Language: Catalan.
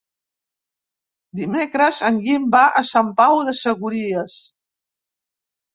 Dimecres en Guim va a Sant Pau de Segúries.